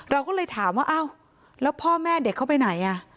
เราก็เลยถามว่าอ้าวแล้วพ่อแม่เด็กเข้าไปไหนอ่ะ